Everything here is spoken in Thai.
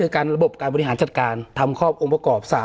๒การบริหารจัดการทำข้อองค์ประกอบ